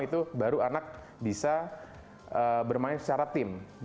itu baru anak bisa bermain secara tim